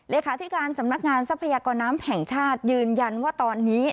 เลขาธิการสำนักงานทรัพยากรน้ำแห่งชาติยืนยันว่าตอนนี้